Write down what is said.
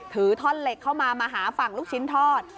ถือท่อนเหล็กเข้ามามาหาฝั่งลูกชิ้นทอด